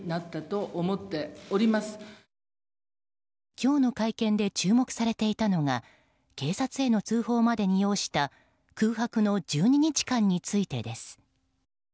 今日の会見で注目されていたのが警察への通報までに要した空白の１２日間についてです。